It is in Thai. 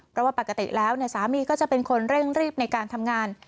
เพราะว่าปกติแล้วสามีก็จะเป็นคนเร่งรีบในการทำงาน